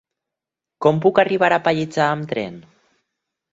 Com puc arribar a Pallejà amb tren?